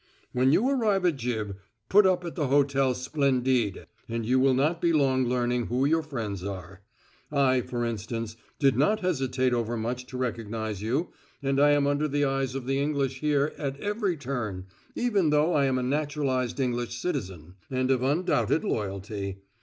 When you arrive at Gib, put up at the Hotel Splendide, and you will not be long learning who your friends are. I, for instance, did not hesitate overmuch to recognize you, and I am under the eyes of the English here at every turn, even though I am a naturalized English citizen and of undoubted loyalty."